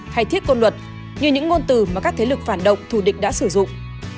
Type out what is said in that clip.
hay thiết quân luật như những ngôn từ mà các thế lực phản động thù địch đã sử dụng